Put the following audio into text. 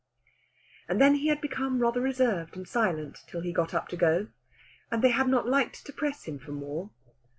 And then he had become rather reserved and silent till he got up to go, and they had not liked to press him for more.